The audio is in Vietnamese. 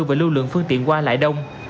và lưu lượng phương tiện qua lại đông